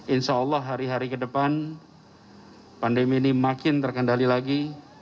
insya allah hari hari ke depan pandemi ini makin terkendali lagi